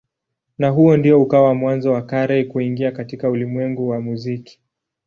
Na huu ndio ukawa mwanzo wa Carey kuingia katika ulimwengu wa muziki.